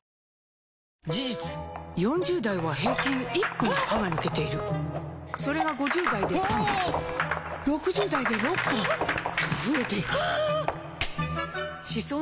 事実４０代は平均１本歯が抜けているそれが５０代で３本６０代で６本と増えていく歯槽